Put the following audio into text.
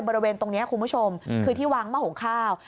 บริเวณตรงนี้คุณผู้ชมคือที่วังมะหงข้าว